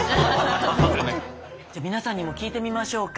じゃあ皆さんにも聞いてみましょうか。